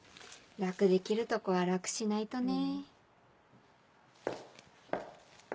楽できるとこは楽しないとね。